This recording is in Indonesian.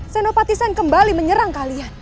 senopati sen kembali menyerang kalian